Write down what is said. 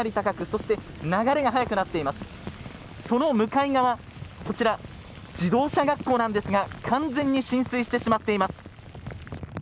その向かい側は自動車学校なんですが完全に浸水してしまっています。